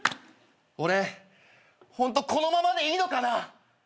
俺ホントこのままでいいのかな！？